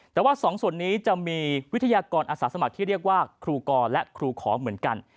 แต่ว่าสองส่วนนี้จะมีวิทยากรอาสาสมัครที่เรียกว่าครูกรและครูของเหมือนกัน